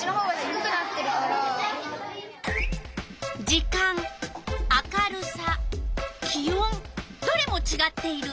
時間明るさ気温どれもちがっている。